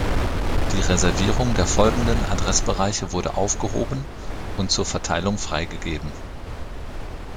Die Reservierung der folgenden Adressbereiche wurde aufgehoben und zur Verteilung freigegeben.